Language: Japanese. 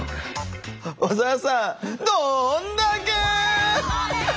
小沢さんどんだけ！